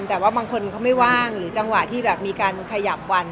แต่ว่าบางคนเขาไม่ว่างหรือจังหวะที่แบบมีการขยับวัน